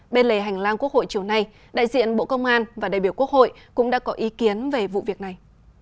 bên lề hành lang quốc hội chiều nay đại diện bộ công an và đại biểu quốc hội cũng đã có ý kiến về vụ việc này